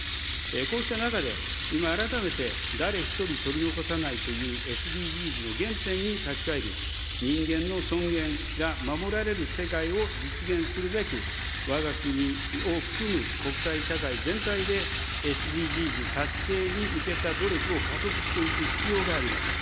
こうした中で、今、改めて誰一人取り残さないというＳＤＧｓの原点に立ち返り、人間の尊厳が守られる世界を実現するべく、わが国を含む、国際社会全体でＳＤＧｓ達成に向けた努力を加速していく必要があります。